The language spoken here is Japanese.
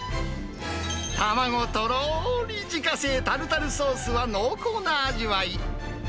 卵とろーり、自家製タルタルソースは濃厚な味わい。